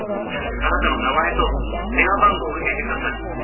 「あなたの名前と電話番号を教えてください」